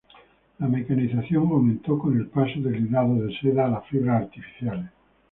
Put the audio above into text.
La mecanización aumentó con el paso del hilado de seda a las fibras artificiales.